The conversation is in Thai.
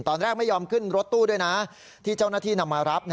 ไม่ยอมขึ้นรถตู้ด้วยนะที่เจ้าหน้าที่นำมารับ